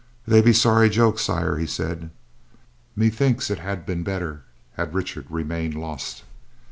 "They be sorry jokes, Sire," he said. "Methinks it had been better had Richard remained lost.